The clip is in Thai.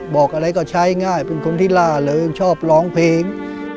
บอกอะไรก็ใช้ง่ายเป็นคนที่ล่าเริงชอบร้องเพลง